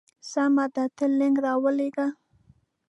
سمه ده ته لینک راولېږه.